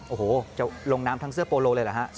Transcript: โอ้โหจะลงน้ำทั้งเสื้อโปโลเลยเหรอฮะ